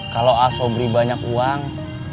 kalau aso beri banyak uang